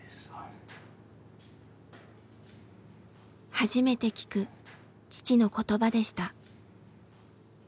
初めて聞く父の言葉でした。